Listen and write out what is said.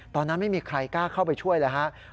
ตอนนั้นไม่มีใครกล้าเข้าไปช่วยเลยครับ